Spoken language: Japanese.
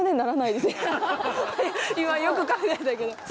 今よく考えたけど。